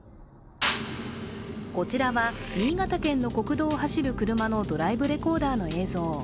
こちらは新潟県の国道を走る車のドライブレコーダーの映像。